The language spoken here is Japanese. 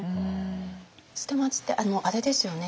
捨松ってあれですよね